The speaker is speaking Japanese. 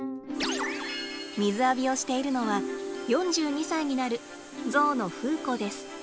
水浴びをしているのは４２歳になるゾウのフーコです。